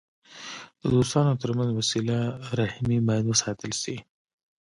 د دوستانو ترمنځ وسیله رحمي باید وساتل سي.